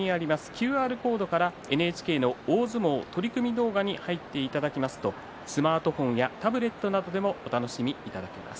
ＱＲコードからＮＨＫの大相撲取組動画に入っていただきますとスマートフォンやタブレットなどでもお楽しみいただけます。